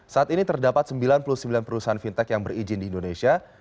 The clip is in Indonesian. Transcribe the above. saat ini terdapat sembilan puluh sembilan perusahaan fintech yang berizin di indonesia